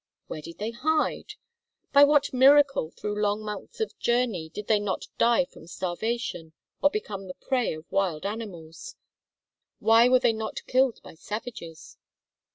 Where did they hide? By what miracle through long months of journey did they not die from starvation, or become the prey of wild animals? Why were they not killed by savages?